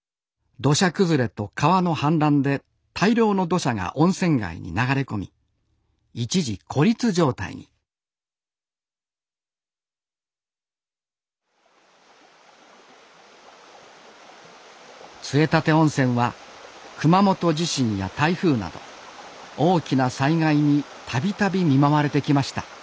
土砂崩れと川の氾濫で大量の土砂が温泉街に流れ込み一時孤立状態に杖立温泉は熊本地震や台風など大きな災害に度々見舞われてきました。